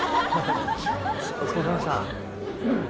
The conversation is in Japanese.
お疲れさまでした。